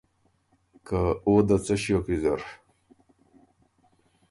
که او ده څۀ ݭیوک ویزر۔